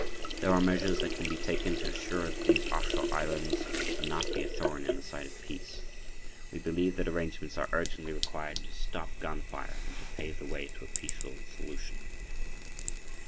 There are measures that [pg 19]can be taken to assure that these offshore islands will not be a thorn in the side of peace. We believe that arrangements are urgently required to stop gunfire and to pave the way to a peaceful solution.